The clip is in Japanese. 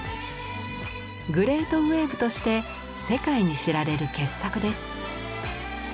「グレートウエーブ」として世界に知られる傑作です。